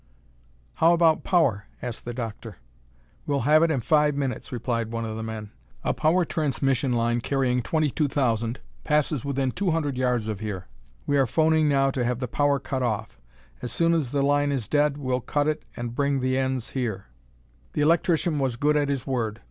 "How about power?" asked the doctor. "We'll have it in five minutes," replied one of the men. "A power transmission line carrying twenty two thousand passes within two hundred yards of here. We are phoning now to have the power cut off. As soon as the line is dead we'll cut it and bring the ends here." The electrician was good at his word.